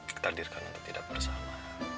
ketakdirkan untuk tidak bersama